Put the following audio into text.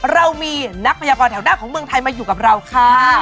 เรามีนักพยากรแถวหน้าของเมืองไทยมาอยู่กับเราค่ะ